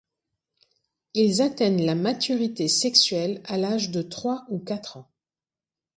Ils atteignent la maturité sexuelle à l'âge de trois ou quatre ans.